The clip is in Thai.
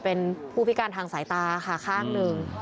ส่วนของชีวาหาย